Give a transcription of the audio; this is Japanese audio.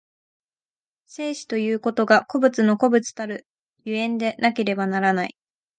生死ということが個物の個物たる所以でなければならない。